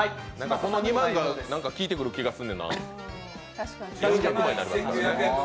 その２万が効いてくる気がするねんな。